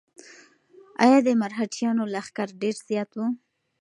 ایا د مرهټیانو لښکر ډېر زیات و؟